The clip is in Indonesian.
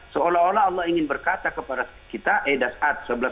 seolah olah allah ingin berkata kepada kita